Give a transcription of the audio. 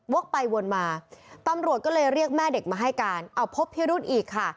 ไปวนมาตำรวจก็เลยเรียกแม่เด็กมาให้การเอาพบพิรุธอีกค่ะ